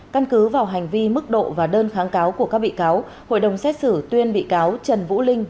căn cứ vào hành vi mức độ và đơn kháng cáo của các bị cáo hội đồng xét xử tuyên bị cáo trần vũ linh